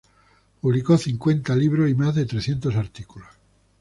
Publicó cincuenta libros y más de trescientos artículos.